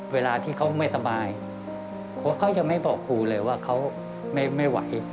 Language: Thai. เวลาที่เขาไม่สบายเขายังไม่บอกครูเลยว่าเขาไม่ไหว